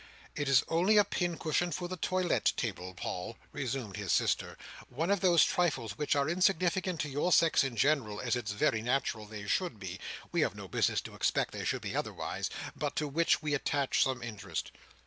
"It is only a pincushion for the toilette table, Paul," resumed his sister; "one of those trifles which are insignificant to your sex in general, as it's very natural they should be—we have no business to expect they should be otherwise—but to which we attach some interest."